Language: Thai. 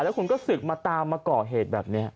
แล้วคุณก็ศึกมาตามมาก่อเหตุแบบนี้